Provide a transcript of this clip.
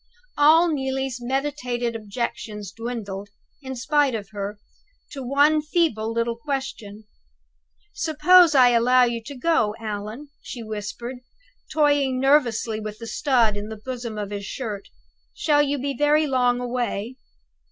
All Neelie's meditated objections dwindled, in spite of her, to one feeble little question. "Suppose I allow you to go, Allan?" she whispered, toying nervously with the stud in the bosom of his shirt. "Shall you be very long away?"